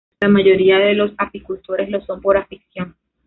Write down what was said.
La mayoría de los apicultores lo son por afición.